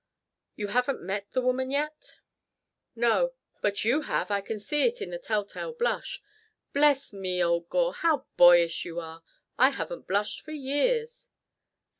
"You haven't met the woman yet?" "No. But you have. I can see it in the telltale blush. Bless me, old Gore, how boyish you are. I haven't blushed for years."